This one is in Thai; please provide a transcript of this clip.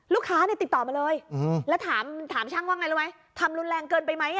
ลูกค้าติดต่อมาเลยแล้วถามช่างว่าอย่างไรล่ะไหม